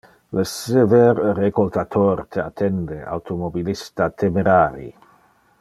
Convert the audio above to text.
Le sever recoltator te attende, automobilista temerari!